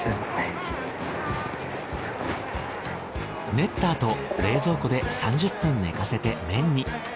練ったあと冷蔵庫で３０分寝かせて麺に。